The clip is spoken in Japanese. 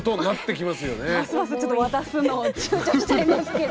ますますちょっと渡すのをちゅうちょしちゃいますけど。